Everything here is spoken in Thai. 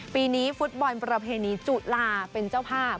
ปีนี้ฟุตบอลประเพณีจุลาเป็นเจ้าภาพ